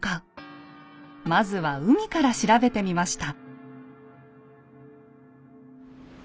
まずは海から調べてみました。